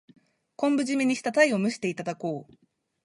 昆布じめにしたタイを蒸していただこう。